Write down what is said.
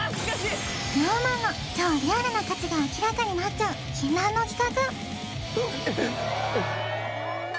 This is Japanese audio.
ＳｎｏｗＭａｎの超リアルな価値が明らかになっちゃう禁断の企画